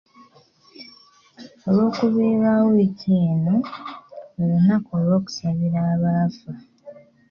Olwokubiri lwa wiiki eno lwe lunaku olw’okusabira abaafa.